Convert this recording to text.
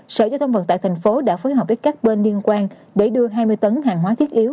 sở giao thông vận tải thành phố đã phối hợp với các bên liên quan để đưa hai mươi tấn hàng hóa thiết yếu